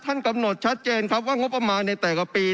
กำหนดชัดเจนครับว่างบประมาณในแต่ละปี